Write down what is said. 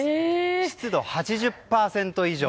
湿度８０％以上。